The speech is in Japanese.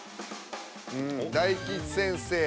大吉先生。